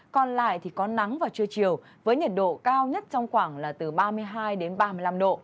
còn lại thì có nắng vào trưa chiều với nhiệt độ cao nhất trong khoảng là từ ba mươi hai đến ba mươi năm độ